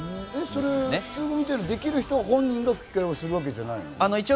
普通に見ている、できる人は本人が吹き替えをするわけじゃないの？